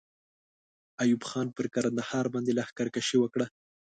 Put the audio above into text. ایوب خان پر کندهار باندې لښکر کشي وکړه.